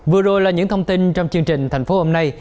vừa rồi là những thông tin trong chương trình thành phố hôm nay